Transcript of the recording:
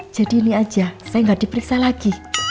jadi ini aja saya gak diperiksa lagi